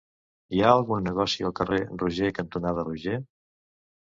Hi ha algun negoci al carrer Roger cantonada Roger?